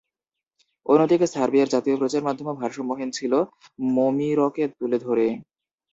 অন্যদিকে সার্বিয়ার জাতীয় প্রচার মাধ্যমও ভারসাম্যহীন ছিল, মোমিরকে তুলে ধরে।